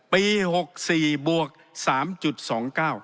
ปี๖๔บวก๓๒๙